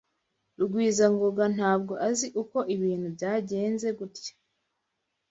Rugwizangoga ntabwo azi uko ibintu byagenze gutya.